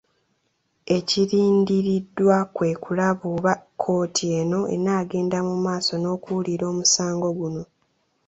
Ekirindiriddwa kwe kulaba oba kkooti eno enaagenda mu maaso n’okuwulira omusango guno.